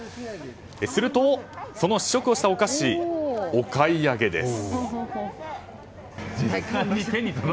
すると、その試食をしたお菓子お買い上げです。